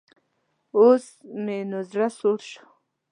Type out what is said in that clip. اوس مې نو زړۀ سوړ شو.